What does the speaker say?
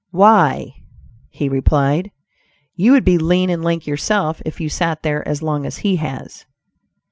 "Why," he replied, "you would be lean and lank yourself if you sat there as long as he has."